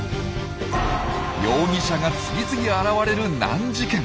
容疑者が次々現れる難事件。